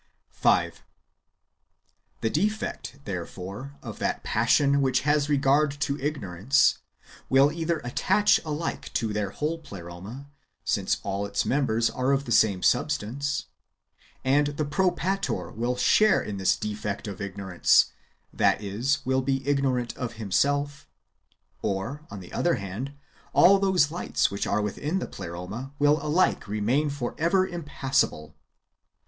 5. The defect, therefore, of that passion which has regard to ignorance, will either attach alike to their whole Pleroma, since [all its members] are of the same substance ; and the Propator will share in this defect of ignorance — that is, will be ignorant of Himself ; or, on the other hand, all those lights which are within the Pleroma will alike remain for ever impassible.